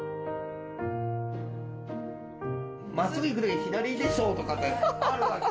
真っすぐ行って左でしょうとかってあるわけ。